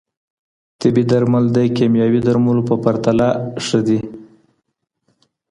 طبي درمل د کیمیاوي درملو په پرتله ښه دي.